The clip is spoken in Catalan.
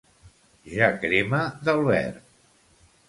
Ja crema del verd.